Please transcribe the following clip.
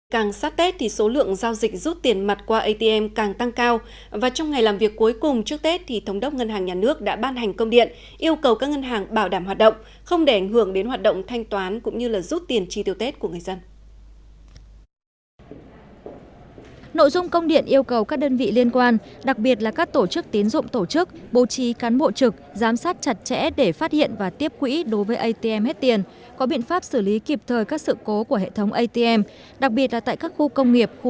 càng sát tết thì số lượng giao dịch rút tiền mặt qua atm càng tăng cao và trong ngày làm việc cuối cùng trước tết thì thống đốc ngân hàng nhà nước đã ban hành công điện yêu cầu các ngân hàng bảo đảm hoạt động không để ảnh hưởng đến hoạt động thanh toán cũng như rút tiền chi tiêu tết của người dân